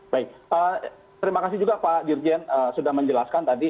baik terima kasih juga pak dirjen sudah menjelaskan tadi